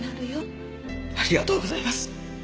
ありがとうございます！